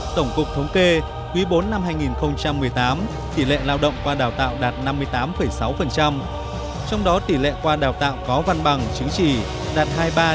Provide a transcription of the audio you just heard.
tổng cục thống kê quý bốn năm hai nghìn một mươi tám tỷ lệ lao động qua đào tạo đạt năm mươi tám sáu trong đó tỷ lệ qua đào tạo có văn bằng chứng chỉ đạt hai mươi ba chín